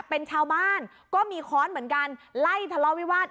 เป็นชาวบ้านก็มีค้อนเหมือนกันไล่ทะเลาวิวาส